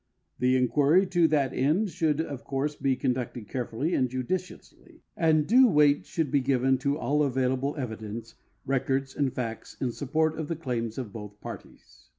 The inquiry to that end should of course be conducted carefully and judicially, and due weight should be given to all avaiUible evidence, records, and facts in sujjport of the claims of both parties.